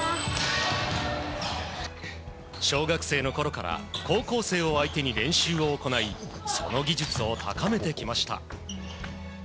小学生のころから高校生を相手に練習を行いその技術を高めてきました。